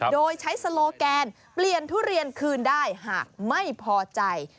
โดยใช้สโลแกนเปลี่ยนทุเรียนคืนได้หากไม่พอใจ